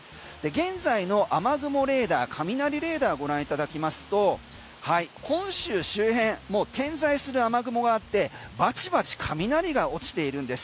現在の雨雲レーダー、雷レーダーご覧いただきますと本州周辺もう点在する雨雲があってバチバチ雷が落ちているんです。